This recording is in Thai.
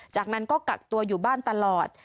จากนั้นก็กักตัวอยู่บ้านตลอด